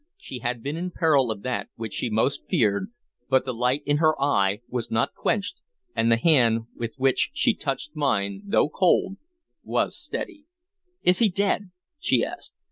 She had been in peril of that which she most feared, but the light in her eye was not quenched, and the hand with which she touched mine, though cold, was steady. "Is he dead?" she asked.